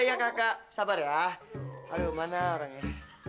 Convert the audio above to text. oh ibu dapat punya muka pembanaan kortekan